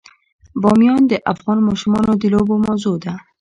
بامیان د افغان ماشومانو د لوبو موضوع ده.